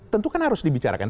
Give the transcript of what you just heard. tentu kan harus dibicarakan